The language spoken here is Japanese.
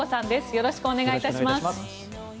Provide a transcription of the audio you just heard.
よろしくお願いします。